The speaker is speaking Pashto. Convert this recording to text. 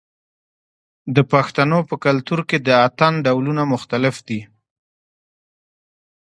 د پښتنو په کلتور کې د اتن ډولونه مختلف دي.